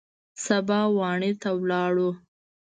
سبا واڼې ته ولاړو.